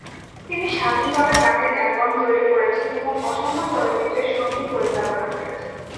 তিনি স্বাধীনভাবে গানের অ্যালবাম তৈরি করেছেন এবং অসংখ্য চলচ্চিত্রের সঙ্গীত পরিচালনা করেছেন।